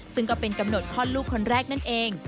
ซึ่งก็เป็นกำหนดคลอดลูกคนแรกนั่นเอง